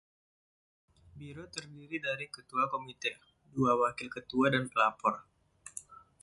Biro terdiri dari Ketua Komite, dua Wakil Ketua dan Pelapor.